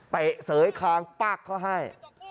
เตะเสยข้างปลากเขาให้